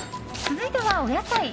続いては、お野菜。